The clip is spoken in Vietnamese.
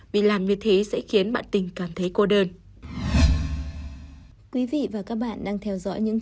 vì làm như thế sẽ khiến bạn tình cảm thấy cô đơn vị